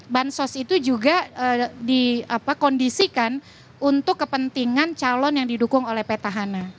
bansos itu juga dikondisikan untuk kepentingan calon yang didukung oleh petahana